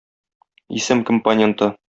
Исем компоненты.